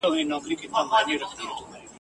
بلبلکي کوچېدلي ګلغوټۍ دي رژېدلي !.